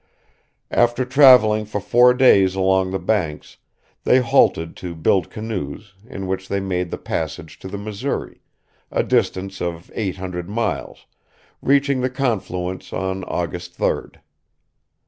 After traveling for four days along the banks, they halted to build canoes, in which they made the passage to the Missouri, a distance of eight hundred miles, reaching the confluence on August 3d.